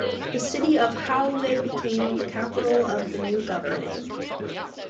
The city of Helwan became the capital of the new governorate.